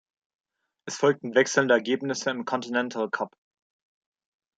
Es folgten wechselnde Ergebnisse im Continental Cup.